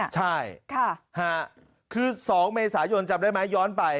ใช่คือ๒เมษายนจำได้ไหมย้อนไป